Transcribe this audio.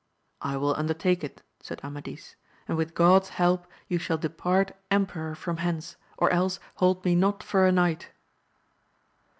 I wiU undertake it, said Amadis, and with God's help you shall depart emperor from hence, or else hold me not for a knight.